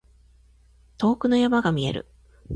遠くの山が見える。